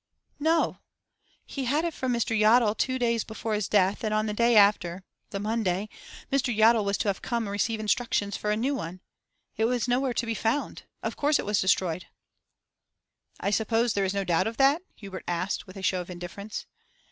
'No. He had it from Mr. Yottle two days before his death, and on the day after the Monday Mr. Yottle was to have come to receive instructions for a new one. It is nowhere to be found: of course it was destroyed.' 'I suppose there is no doubt of that?' Hubert asked, with a show of indifference.